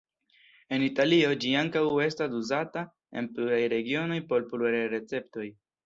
En Italio ĝi ankaŭ estas uzata en pluraj regionoj por pluraj receptoj.